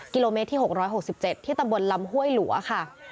กิโลเมตรที่๖๖๗ที่ตำบลลำห้วยหลัวค่ะ